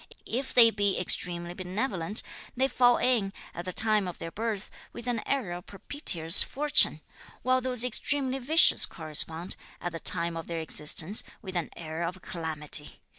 If they be extremely benevolent, they fall in, at the time of their birth, with an era of propitious fortune; while those extremely vicious correspond, at the time of their existence, with an era of calamity.